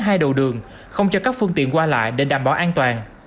hai đầu đường không cho các phương tiện qua lại để đảm bảo an toàn